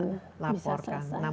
enam bulan bisa selesai